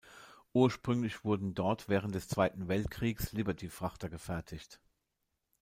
Ursprünglich wurden dort während des Zweiten Weltkriegs Liberty-Frachter gefertigt.